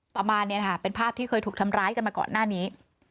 ต่อมาเป็นภาพที่เคยถูกทำร้ายกันมาก่อนหน้านี้